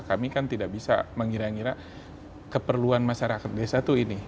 kami kan tidak bisa mengira ngira keperluan masyarakat desa itu ini